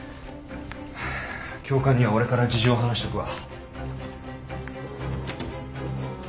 教官には俺から事情話しとくわ。